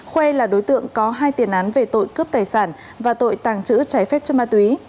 khuê là đối tượng có hai tiền án về tội cướp tài sản và tội tàng trữ trái phép chất ma túy